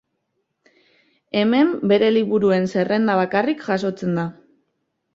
Hemen bere liburuen zerrenda bakarrik jasotzen da.